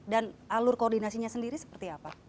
dan alur koordinasinya sendiri seperti apa